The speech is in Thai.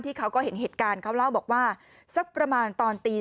เขาก็เห็นเหตุการณ์เขาเล่าบอกว่าสักประมาณตอนตี๔